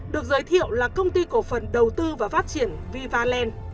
được giới thiệu là công ty cổ phần đầu tư và phát triển vivaland